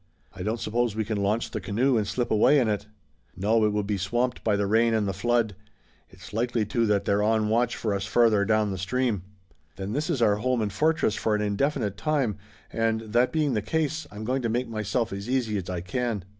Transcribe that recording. "I don't suppose we can launch the canoe and slip away in it?" "No, it would be swamped by the rain and the flood. It's likely, too, that they're on watch for us farther down the stream." "Then this is our home and fortress for an indefinite time, and, that being the case, I'm going to make myself as easy as I can."